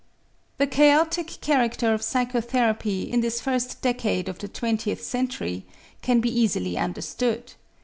The chaotic character of psychotherapy in this first decade of the twentieth century can be easily understood.